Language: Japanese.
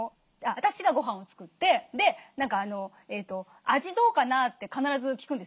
私がごはんを作って「味どうかな？」って必ず聞くんですよ。